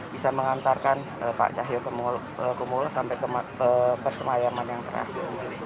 bisa mengantarkan pak cahyokumolo sampai ke persemayaman yang terakhir